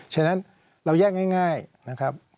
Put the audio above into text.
ฉะนั้นเราแยกง่ายนะครับ